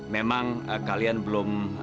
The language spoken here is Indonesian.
memang kalian belum